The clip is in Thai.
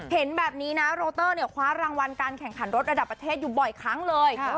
เห็นแบบนี้นะโรเตอร์เนี่ยคว้ารางวัลการแข่งขันรถระดับประเทศอยู่บ่อยครั้งเลย